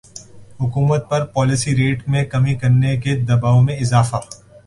حکومت پر policy rate میں کمی کے لیے دبائو میں اضافہ